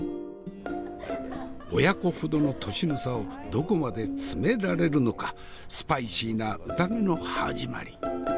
親子ほどの年の差をどこまで詰められるのかスパイシーな宴の始まり。